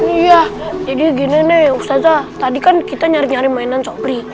iya jadi gini nih ustadz zah tadi kan kita nyari nyari mainan sobri